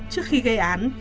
trước khi gây án